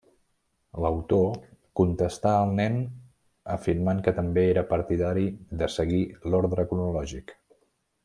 L'autor contestà al nen afirmant que també era partidari de seguir l'ordre cronològic.